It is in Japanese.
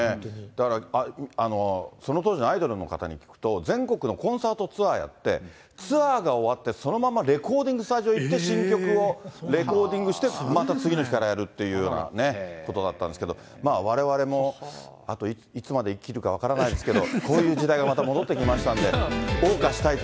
だからその当時のアイドルの方に聞くと、全国のコンサートツアーやって、ツアーが終わって、そのままレコーディングスタジオ行って、新曲のレコーディングしてまた次の日からやるというようなことだったんですけど、われわれもあといつまで生きるか分からないですあら！